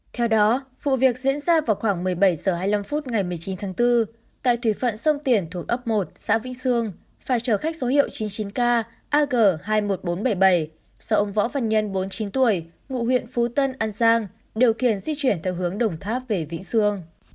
theo đó vụ việc diễn ra vào khoảng một mươi bảy h hai mươi năm phút ngày một mươi chín tháng bốn tại thủy phận sông tiền thuộc ấp một xã vĩnh sương phải trở khách số hiệu chín mươi chín k ag hai mươi một nghìn bốn trăm bảy mươi bảy do ông võ văn nhân bốn mươi chín tuổi ngụ huyện phú tân an giang điều khiển di chuyển theo hướng đồng tháp về vĩnh sương